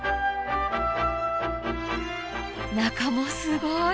中もすごい！